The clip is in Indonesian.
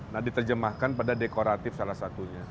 nah diterjemahkan pada dekoratif salah satunya